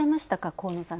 河野さん